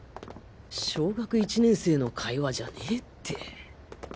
小学１年生の会話じゃねって